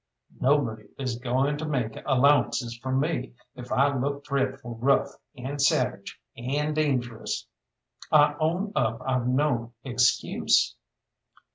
Nobody is going to make allowances for me if I look dreadful rough, and savage, and dangerous. I own up I've no excuse.